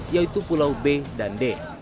yaitu pulau b dan d